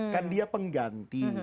kan dia pengganti